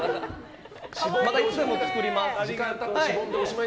またいつでも作ります。